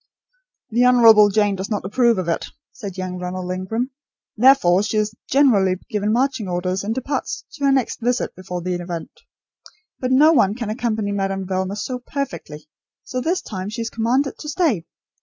"The Honourable Jane does not approve of it," said young Ronald Ingram; "therefore she is generally given marching orders and departs to her next visit before the event. But no one can accompany Madame Velma so perfectly, so this time she is commanded to stay.